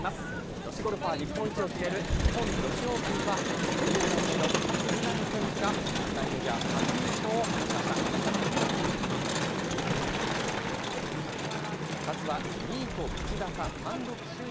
女子ゴルファー日本一を決める日本女子オープンは、２３歳の勝みなみ選手が国内メジャー初優勝を果たしました。